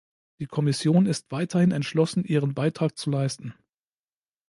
Die Kommission ist weiterhin entschlossen, ihren Beitrag zu leisten.